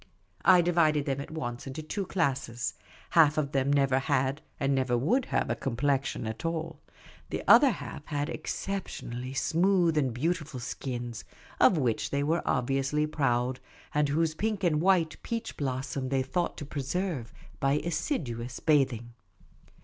I divided them at once into two classes : half of them never had and never would have a complexion at all ; the other half had exceptionally smooth and beautiful skins, of which they were obviously proud, and whose pink and white peach blossom they thought to preserve by assiduous 36 Miss Caylcy's Adventures bathing.